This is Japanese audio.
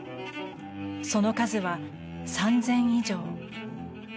その数は３０００以上。